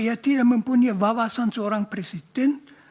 dia tidak mempunyai wawasan seorang presiden